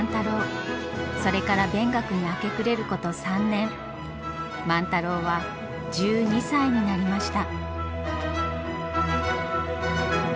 それから勉学に明け暮れること３年万太郎は１２歳になりました。